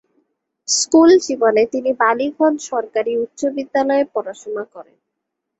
School জীবনে তিনি বালিগঞ্জ সরকারি উচ্চ বিদ্যালয়ে পড়াশুনা করেন।